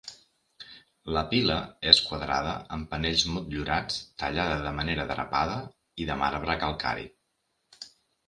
La pila és quadrada amb panells motllurats, tallada de manera drapada i de marbre calcari.